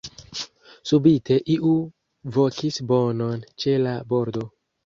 Subite iu vokis bonon ĉe la bordo.